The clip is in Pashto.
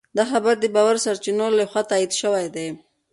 دا خبر د باوري سرچینو لخوا تایید شوی دی.